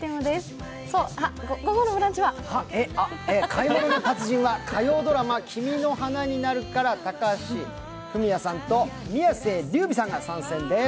「買い物の達人」は火曜ドラマ「君の花になる」から高橋文哉さんと宮世琉弥さんが参戦です。